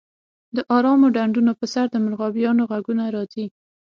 د ارامو ډنډونو په سر د مرغابیانو غږونه راځي